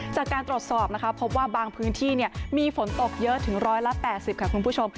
จากการตรวจสอบนะคะพบว่าบางพื้นที่มีฝนตกเยอะถึง๑๘๐ค่ะคุณผู้ชม